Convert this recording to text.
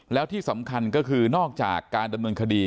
แล้วที่สำคัญก็คือนอกจากการดำเนินคดี